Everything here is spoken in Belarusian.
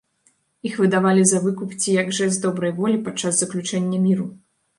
Іх выдавалі за выкуп ці як жэст добрай волі падчас заключэння міру.